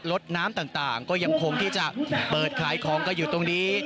รถน้ำต่างก็ยังคงที่จะเปิดขายของกันอยู่ตรงนี้